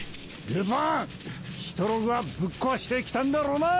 ヒトログはぶっ壊して来たんだろうな！